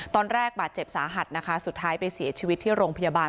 ตอนแรกบาดเจ็บสาหัสนะคะสุดท้ายไปเสียชีวิตที่โรงพยาบาล